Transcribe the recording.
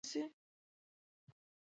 ایا زما سر به ښه شي؟